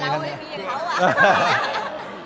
จริงเราเริ่มเก็บไปทำให้ได้